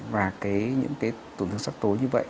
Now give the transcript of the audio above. và cái những cái tổn thương sắc tố như vậy